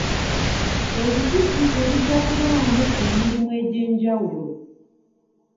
Ebikujjuko bijja kubaamu emirimu egy'enjawulo.